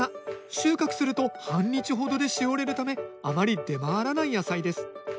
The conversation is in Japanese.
収穫すると半日ほどでしおれるためあまり出回らない野菜です。